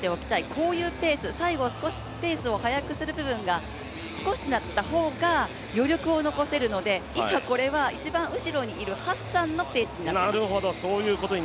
こういうペース、最後少しペースを速くする部分が少ない方が余力を残せるので今、これは一番後ろにいるハッサンのペースになっています。